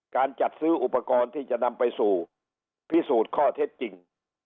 การจัดซื้ออุปกรณ์ที่จะนำไปสู่พิสูจน์ข้อเท็จจริง